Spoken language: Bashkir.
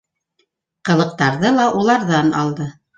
Ҡылыҡтарҙы ла уларҙан алды.